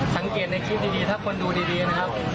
สังเกตในคลิปดีถ้าคนดูดีนะครับ